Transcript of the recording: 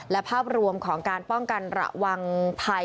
และภาพรวมของการป้องกันระวังภัย